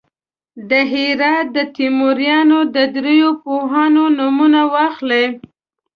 د هرات د تیموریانو د دریو پوهانو نومونه واخلئ.